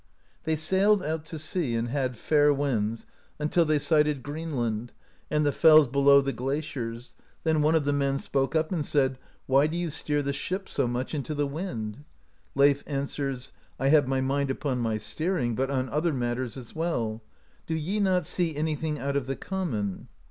They sailed out to sea, and had fair winds until they sighted Greenland, and the fells below the gla ciers ; then one of the men spoke up, and said, "Why do you steer the ship so much into the wind ?" Leif answers : "I have my mind upon my steering, but on other matters as well. Do ye not see anything out of the common?"